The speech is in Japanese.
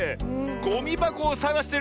ゴミばこをさがしてるんですよ。